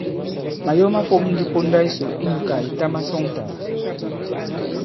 Màyo ma fōm ndi ponda yisò inyū kà ìta masɔŋtàgà.